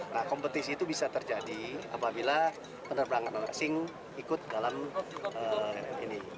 nah kompetisi itu bisa terjadi apabila penerbangan asing ikut dalam ini